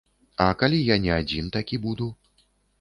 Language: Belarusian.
А калі я не адзін такі буду?